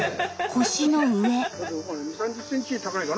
腰の上。